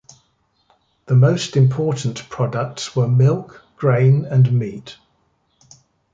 The most important products were milk, grain and meat.